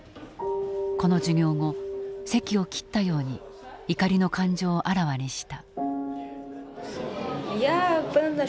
この授業後せきを切ったように怒りの感情をあらわにした。